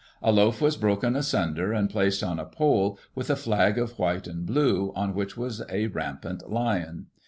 A loaf was broken astmder, and placed on a pole, with a flag of white and blue, on which was a rampant lion.